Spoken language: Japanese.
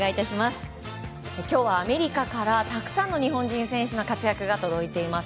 今日はアメリカからたくさんの日本人選手の活躍が届いています。